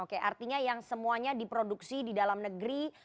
oke artinya yang semuanya diproduksi di dalam negeri